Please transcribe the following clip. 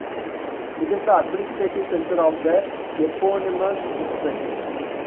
It is the administrative center of the eponymous district.